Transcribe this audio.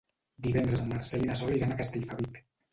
Divendres en Marcel i na Sol iran a Castellfabib.